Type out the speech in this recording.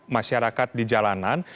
masyarakat di jalanan